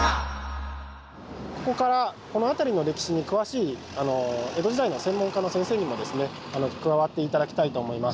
ここからこの辺りの歴史に詳しい江戸時代の専門家の先生にも加わって頂きたいと思います。